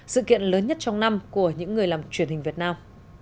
sự kiện lớn nhất trong năm của những người làm truyền hình việt nam